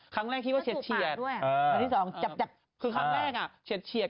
ครั้งแรกคิดว่าเจ็ดเฉียดคือครั้งแรกเจ็ดเฉียด